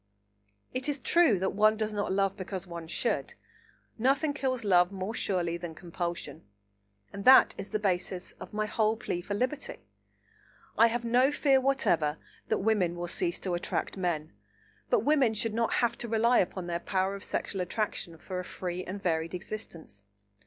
It is true that one does not love because one should. Nothing kills love more surely than compulsion, and that is the basis of my whole plea for liberty. I have no fear whatever that women will cease to attract men, but women should not have to rely upon their power of sexual attraction for a free and varied existence.